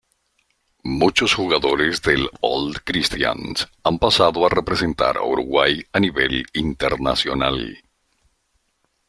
Muchos jugadores del Old Christians han pasado a representar a Uruguay a nivel internacional.